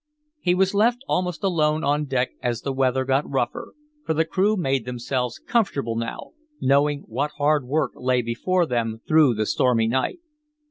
He was left almost alone on deck as the weather got rougher; for the crew made themselves comfortable below, knowing what hard work lay before them through the stormy night.